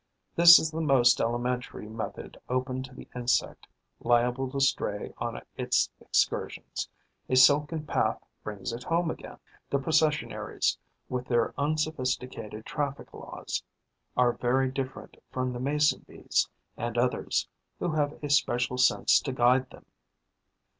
This is the most elementary method open to the insect liable to stray on its excursions: a silken path brings it home again. The Processionaries, with their unsophisticated traffic laws, are very different from the Mason bees and others, who have a special sense to guide them.